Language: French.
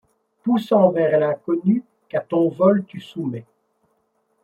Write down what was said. Poussant vers l’inconnu qu’à ton vol tu soumets